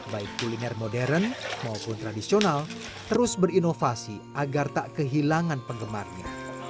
baik kuliner modern maupun tradisional terus berinovasi agar tak kehilangan penggemarnya